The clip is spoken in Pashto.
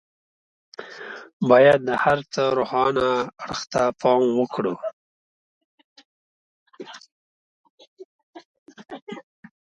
بايد د هر څه روښانه اړخ ته پام وکړي.